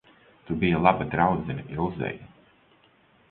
Tu biji laba draudzene Ilzei.